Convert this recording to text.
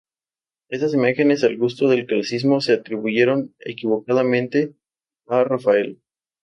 Estas imágenes al gusto del clasicismo se atribuyeron equivocadamente a Rafael.